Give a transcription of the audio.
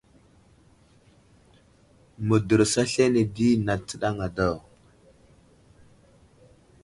Mədərəs aslane di nat tsənaŋ a daw.